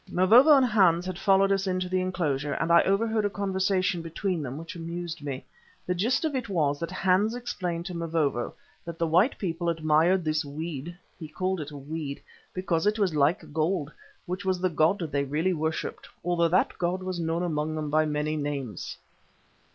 Mavovo and Hans had followed us into the enclosure, and I overheard a conversation between them which amused me. The gist of it was that Hans explained to Mavovo that the white people admired this weed he called it a weed because it was like gold, which was the god they really worshipped, although that god was known among them by many names.